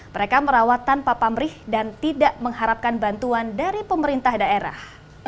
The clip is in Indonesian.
mereka merawat tanpa pamrih dan tidak mengharapkan bantuan dari pemerintah daerah